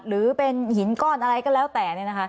หรือเป็นหินก้อนอะไรก็แล้วแต่